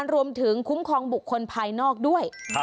รวมถึงคุ้มครองบุคคลภายนอกด้วย